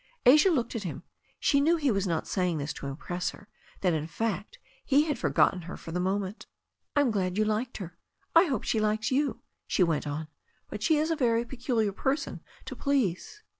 Asia looked at him. She knew he was not saying this to impress her, that, in fact, he had forgotten her for the mo ment "I'm glad you like her, and I hope she likes you," she went on. "But she is a very peculiar person to please."